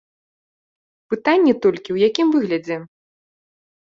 Пытанне толькі, у якім выглядзе.